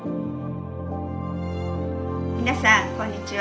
皆さんこんにちは。